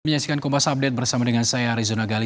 menyaksikan kompas update bersama dengan saya arizona gali